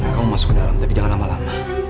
kamu masuk ke dalam tapi jangan lama lama